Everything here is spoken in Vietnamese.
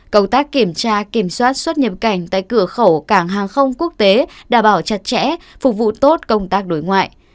công tác kiểm tra kiểm soát xuất nhập cảnh tại cửa khẩu cảng hàng không quốc tế đảm bảo chặt chẽ phục vụ tốt công tác đối ngoại